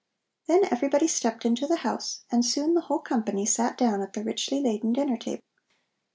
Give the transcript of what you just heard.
Then everybody stepped into the house and soon the whole company sat down at the richly laden dinner table.